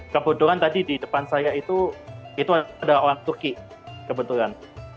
kebetulan tadi di depan saya itu ada orang turki kebetulan